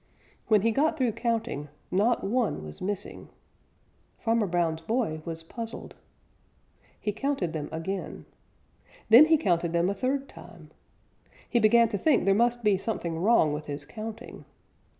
When he got through counting, not one was missing. Farmer Brown's boy was puzzled. He counted them again. Then he counted them a third time. He began to think there must be something wrong with his counting.